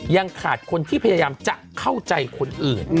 ยังขาดคนที่พยายามจะเข้าใจคนอื่น